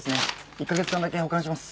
１カ月間だけ保管します。